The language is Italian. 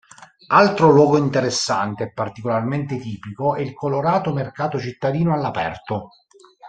Altro luogo interessante e particolarmente tipico è il colorato mercato cittadino all'aperto.